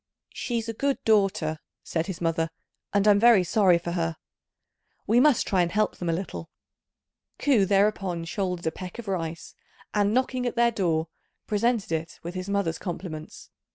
"She's a good daughter," said his mother, "and I'm very sorry for her. We must try and help them a little." Ku thereupon shouldered a peck of rice, and, knocking at their door, presented it with his mother's compliments.